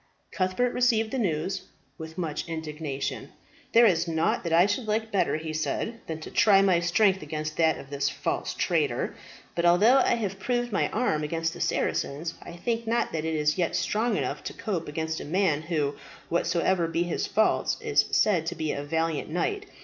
Cuthbert received the news with much indignation. "There is nought that I should like better," he said, "than to try my strength against that of this false traitor. But although I have proved my arm against the Saracens, I think not that it is yet strong enough to cope against a man who, whatsoever be his faults, is said to be a valiant knight.